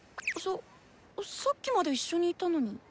ささっきまで一緒にいたのに。